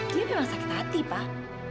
dia memang sakit hati pak